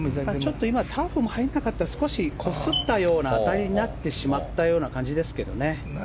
ターフに入らなかったのでこすったような当たりになってしまった感じですけどね。